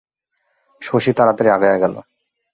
শশী তাড়াতাড়ি আগাইয়া গেল।